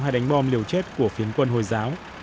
hay đánh bom liều chết của phiến quân hồi giáo